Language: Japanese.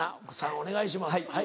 お願いします。